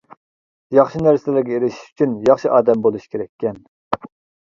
ياخشى نەرسىلەرگە ئېرىشىش ئۈچۈن ياخشى ئادەم بولۇش كېرەككەن.